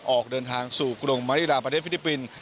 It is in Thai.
ออกเดินทางสู่กรุงมาริลาประเทศฟิลิปปินส์